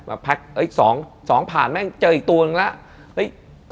มาพัก๒ผ่านแม่งเจออีกตัวหนึ่งแล้ว